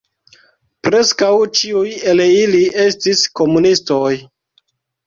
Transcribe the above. Preskaŭ ĉiuj el ili estis komunistoj.